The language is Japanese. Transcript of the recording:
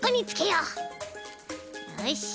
よし。